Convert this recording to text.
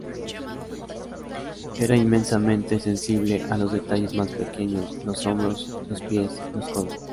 Era inmensamente sensible a los detalles más pequeños: los hombros, los pies, los codos.